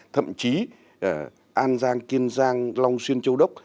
thậm chí an giang kiên giang long xuyên châu đốc